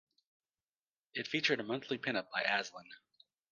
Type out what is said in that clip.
It featured a monthly pin-up by Aslan.